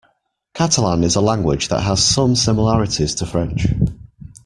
Catalan is a language that has some similarities to French.